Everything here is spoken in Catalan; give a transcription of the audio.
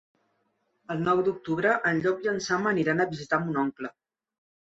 El nou d'octubre en Llop i en Sam aniran a visitar mon oncle.